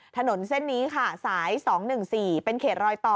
ถนนเส้นนี้ค่ะสาย๒๑๔เป็นเขตรอยต่อ